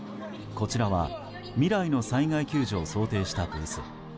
こちらは、未来の災害救助を想定したブース。